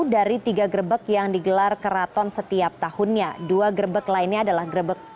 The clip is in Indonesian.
dari tiga gerebek yang digelar keraton setiap tahunnya dua gerebek lainnya adalah gerebek